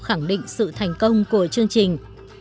khẳng định sự thành công của chương trình